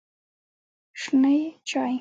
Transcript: شنې چای